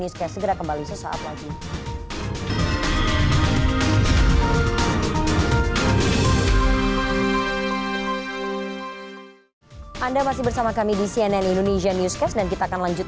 segera kembali sesaat wajib